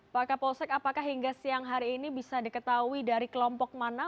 pak kapolsek apakah hingga siang hari ini bisa diketahui dari kelompok mana